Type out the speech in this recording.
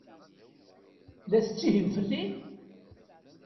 La tettihim fell-i?